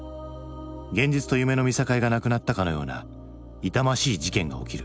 現実と夢の見境がなくなったかのような痛ましい事件が起きる。